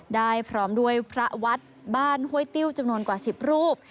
พร้อมด้วยพระวัดบ้านห้วยติ้วจำนวนกว่า๑๐รูป